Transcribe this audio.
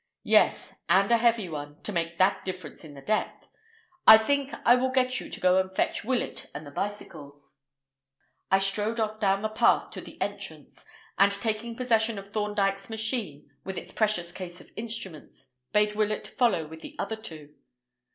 "Yes; and a heavy one, to make that difference in the depth. I think I will get you to go and fetch Willett and the bicycles." I strode off down the path to the entrance, and, taking possession of Thorndyke's machine, with its precious case of instruments, bade Willett follow with the other two.